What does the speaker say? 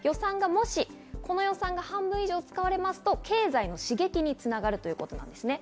この予算が半分以上使われますと経済の刺激に使われるということなんです。